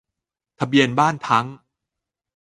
ทะเบียนบ้านทั้ง